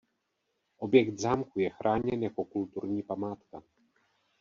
Objekt zámku je chráněn jako kulturní památka.